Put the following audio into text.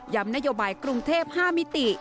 นโยบายกรุงเทพ๕มิติ